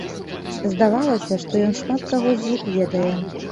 Здавалася, што ён шмат каго з іх ведае.